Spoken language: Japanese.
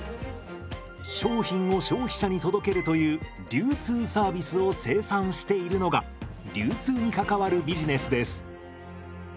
商品を消費者に届けるという流通サービスを生産しているのが流通に関わるビジネスです。